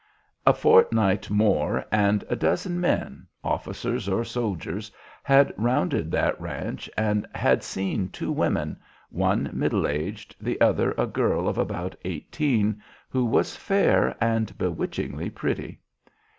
A fortnight more and a dozen men, officers or soldiers, had rounded that ranch and had seen two women, one middle aged, the other a girl of about eighteen who was fair and bewitchingly pretty.